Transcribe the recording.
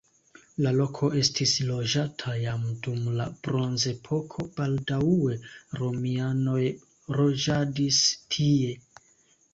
La loko estis loĝata jam dum la bronzepoko, baldaŭe romianoj loĝadis tie.